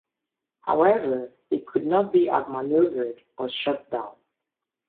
However, they could not be outmaneuvered or shot down.